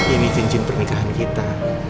ini cincin pernikahan kita